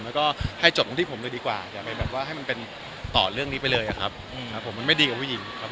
แล้วก็ให้จบตรงที่ผมเลยดีกว่าอย่าไปแบบว่าให้มันเป็นต่อเรื่องนี้ไปเลยอะครับผมมันไม่ดีกับผู้หญิงครับ